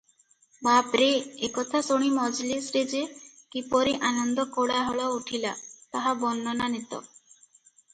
ବାପରେ!" ଏ କଥା ଶୁଣି ମଜଲିସରେ ଯେ କିପରି ଆନନ୍ଦ କୋଳାହଳ ଉଠିଲା, ତାହା ବର୍ଣ୍ଣନାତୀତ ।